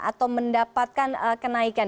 atau mendapatkan kenaikan